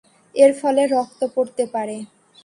এর ফলে রক্ত পড়তে পারে।